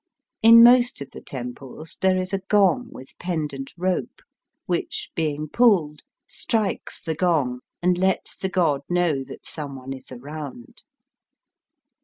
In most of the temples there is a gong with pendant rope, which, being puUed, strikes the gong and lets the god know that some one is around.